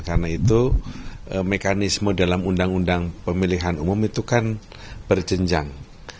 karena itu mekanisme dalam undang undang pemilihan umum itu kan berjenjang